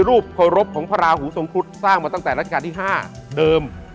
รูปเคารพของพระราหูทรงครุฑสร้างมาตั้งแต่รัชกาลที่๕เดิม